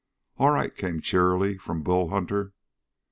"All right," came cheerily from Bull Hunter.